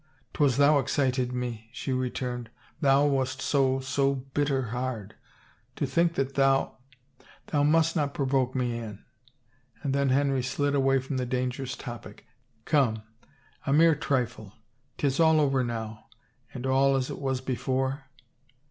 " 'Twas thou excited me," she returned. " Thou wast so — so bitter hard. To think that thou —"" Thou must not provoke me, Anne," and then Henry slid away from the dangerous topic. " Come, a mere trifle — 'tis all over now and all as it was before?"